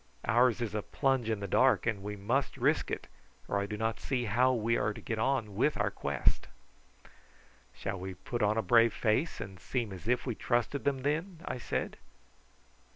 Ours is a plunge in the dark, and we must risk it, or I do not see how we are to get on with our quest." "Shall we put on a brave face and seem as if we trusted them then?" I said.